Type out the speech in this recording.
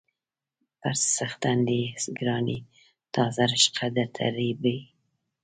_پر څښتن دې ګران يې، تازه رشقه درته رېبي.